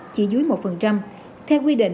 chỉ dưới một